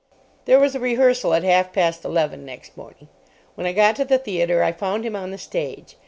There was a rehearsal at half past eleven next morning. When I got to the theatre I found him on the stage.